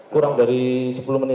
kurang dari sepuluh menit